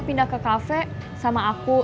pindah ke kafe sama aku